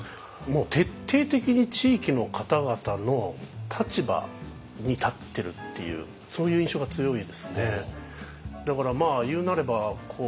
徹底的に地域の方々の立場に立ってるっていうそういう印象が強いですね。